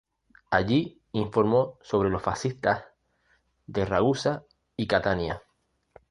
Allí informó sobre los fascistas de Ragusa y Catania.